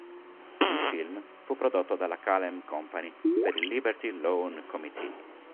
Il film fu prodotto dalla Kalem Company per il Liberty Loan Committee.